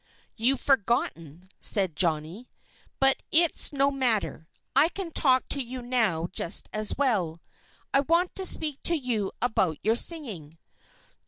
"You've forgotten," said Jolly. "But it's no matter. I can talk to you now just as well. I want to speak to you about your singing."